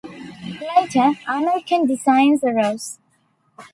Later, American designs arose.